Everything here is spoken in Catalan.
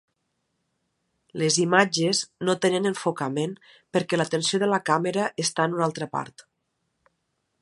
Les imatges no tenen enfocament perquè l'atenció de la càmera està en una altra part.